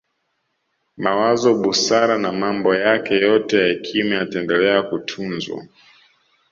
Mawazo busara na mambo yake yote ya hekima yataendele kutunzwa